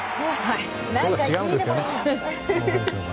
何回聞いてもいい。